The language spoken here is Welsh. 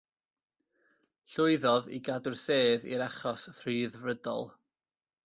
Llwyddodd i gadw'r sedd i'r achos Rhyddfrydol.